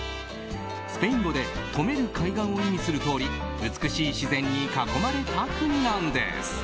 スペイン語で富める海岸を意味するとおり美しい自然に囲まれた国なんです。